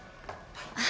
ああ。